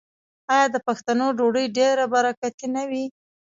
آیا د پښتنو ډوډۍ ډیره برکتي نه وي؟